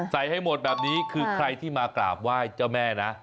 ให้หมดแบบนี้คือใครที่มากราบไหว้เจ้าแม่นะ